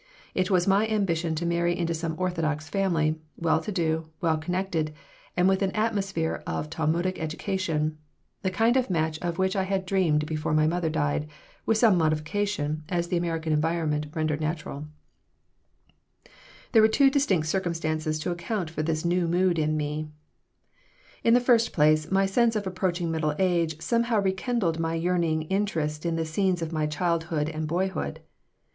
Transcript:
It was my ambition to marry into some orthodox family, well to do, well connected, and with an atmosphere of Talmudic education the kind of match of which I had dreamed before my mother died, with such modifications as the American environment rendered natural There were two distinct circumstances to account for this new mood in me In the first place, my sense of approaching middle age somehow rekindled my yearning interest in the scenes of my childhood and boyhood.